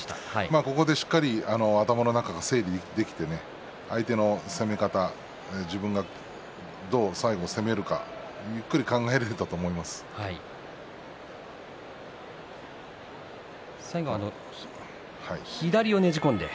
そこでしっかり頭の中が整理できて相手の攻め方自分がどう最後攻めるか最後は左をねじ込んで。